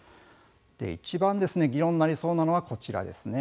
いちばん議論になりそうなのがこちらです。